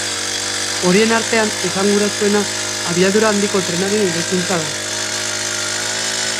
Horien artean esanguratsuena abiadura handiko trenaren eraikuntza da.